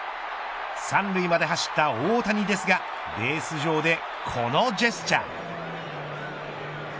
３塁まで走った大谷ですがベース上でこのジェスチャー。